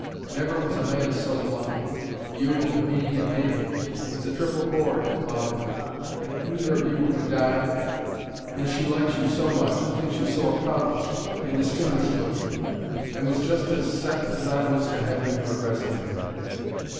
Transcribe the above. Never was a man so lucky! You and me and Mamie; it's a triple cord, Loudon. If either of you were to die! And she likes you so much, and thinks you so accomplished and distingue looking, and was just as set as I was to have you for best man.